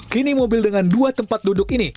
kini mobil dengan dua tempat duduk ini